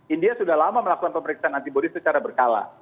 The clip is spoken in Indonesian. india sudah lama melakukan pemeriksaan antibody secara berkala